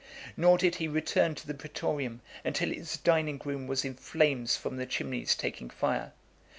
Nor did he return to the pretorium, until his dining room was in flames from the chimney's taking fire.